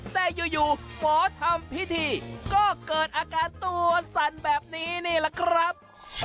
แต่อยู่หมอทำพิธีก็เกิดอาการตัวสั่นแบบนี้นี่แหละครับ